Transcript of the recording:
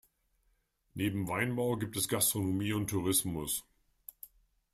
Neben Weinbau gibt es Gastronomie und Tourismus.